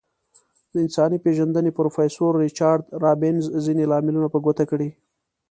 د انسان پیژندنې پروفیسور ریچارد رابینز ځینې لاملونه په ګوته کړي.